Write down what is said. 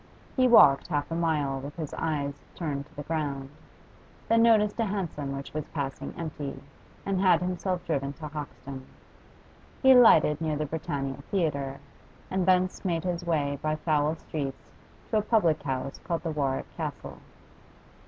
He walked half a mile with his eyes turned to the ground, then noticed a hansom which was passing empty, and had himself driven to Hoxton. He alighted near the Britannia Theatre, and thence made his way by foul streets to a public house called the 'Warwick Castle.